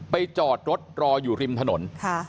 จอดรถรออยู่ริมถนน